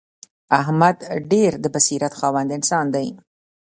احمد ډېر د بصیرت خاوند انسان دی.